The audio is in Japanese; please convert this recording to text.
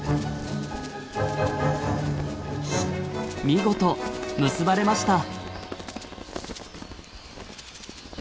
見事結ばれました！